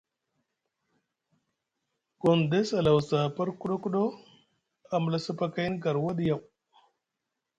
Gondess a lawasi aha par kuɗo kuɗo a mula sapakayni garwa ɗa yaw.